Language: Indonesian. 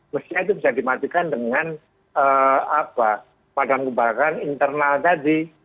mestinya itu bisa dimatikan dengan padang kebakaran internal tadi